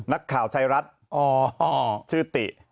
นักข่าวไทยรัฐอ๋อชื่อติ